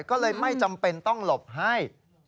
ก็เลยไม่จำเป็นต้องหลบให้